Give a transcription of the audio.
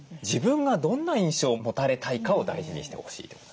自分がどんな印象を持たれたいかを大事にしてほしいと。